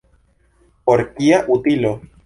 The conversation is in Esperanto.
Por kia utilo?